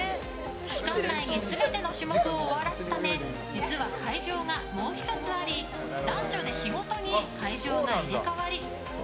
期間内に全ての種目を終わらすため、実は会場がもう１つあり男女で日ごとに会場が入れ替わり。